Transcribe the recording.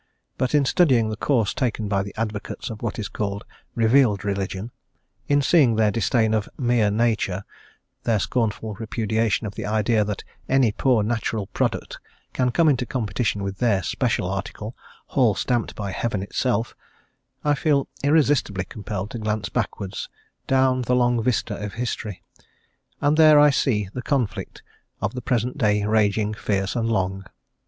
But in studying the course taken by the advocates of what is called "revealed religion," in seeing their disdain of "mere nature," their scornful repudiation of the idea that any poor natural product can come into competition with their special article, hall stamped by heaven itself, I feel irresistibly compelled to glance backwards down the long vista of history, and there I see the conflict of the present day raging fierce and long.